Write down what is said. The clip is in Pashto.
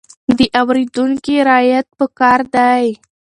د اورېدونکي رعايت پکار دی.